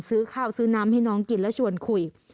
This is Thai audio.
ซื้อน้ำกินน้องกินและชวนคุย